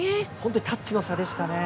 タッチの差でしたね。